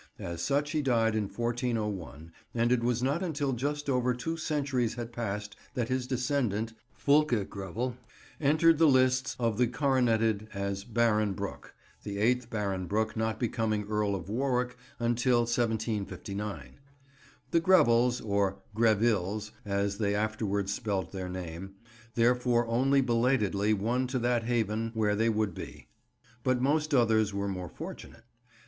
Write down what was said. As such he died in 1401, and it was not until just over two centuries had passed that his descendant, Fulke Greville, entered the lists of the coroneted as Baron Brooke; the eighth Baron Brooke not becoming Earl of Warwick until 1759. The Grevels—or "Grevilles," as they afterwards spelt their name—therefore only belatedly won to that haven where they would be; but most others were more fortunate.